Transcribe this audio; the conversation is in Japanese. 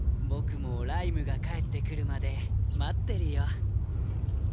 僕もライムが帰ってくるまで待ってるよ。